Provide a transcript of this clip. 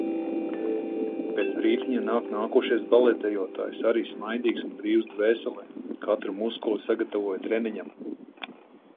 Pēc brītiņa nāk nākošais baletdejotājs, arī smaidīgs un brīvs dvēselē. Katru muskuli sagatavoja treniņam.